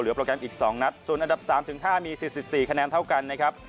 โปรแกรมอีก๒นัดส่วนอันดับ๓๕มี๔๔คะแนนเท่ากันนะครับ